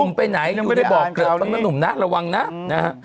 ไปไหนอยู่ในบ่อเกลอะบ้างนะหนุ่มนะระวังนะนะฮะ